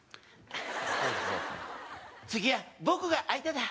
次は僕が相手だ！